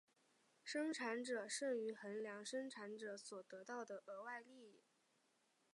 生产者剩余衡量生产者所得到的额外利益。